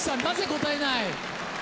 なぜ答えない。